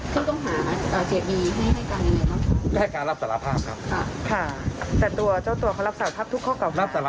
คุยกับเขาข้าว